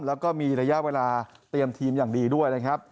แล้วก็มีระยะเวลาเตรียมทีมอย่างดีด้วยนะครับ